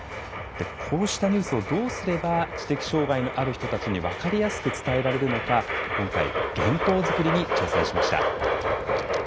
こうしたニュースをどうすれば知的障害のある人たちに分かりやすく伝えられるのか今回、原稿作りに挑戦しました。